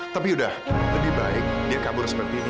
tapi udah lebih baik dia kabur seperti ini